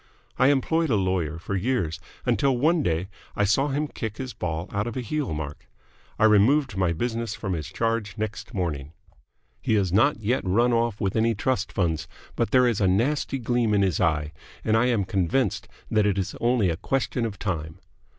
I employed a lawyer for years, until one day I saw him kick his ball out of a heel mark. I removed my business from his charge next morning. He has not yet run off with any trust funds, but there is a nasty gleam in his eye, and I am convinced that it is only a question of time.